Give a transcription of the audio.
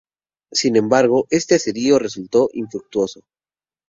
Sin embargo, este asedio resultó infructuoso.